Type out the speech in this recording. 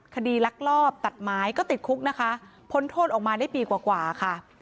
ลักลอบตัดไม้ก็ติดคุกนะคะพ้นโทษออกมาได้ปีกว่าค่ะ